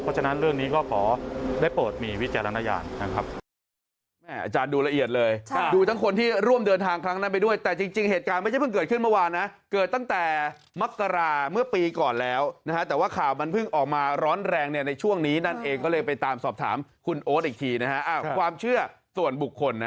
เพราะฉะนั้นเรื่องนี้ก็ขอได้โปรดมีวิจารณญาณนะครับ